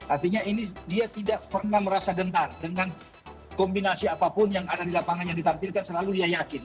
artinya ini dia tidak pernah merasa gentar dengan kombinasi apapun yang ada di lapangan yang ditampilkan selalu dia yakin